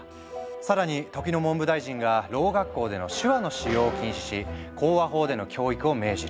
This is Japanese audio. さらに時の文部大臣がろう学校での手話の使用を禁止し口話法での教育を命じる。